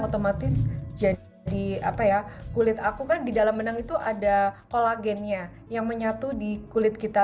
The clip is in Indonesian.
otomatis jadi apa ya kulit aku kan di dalam benang itu ada kolagennya yang menyatu di kulit kita